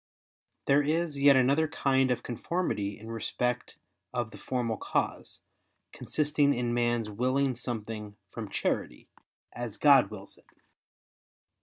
There is yet another kind of conformity in respect of the formal cause, consisting in man's willing something from charity, as God wills it.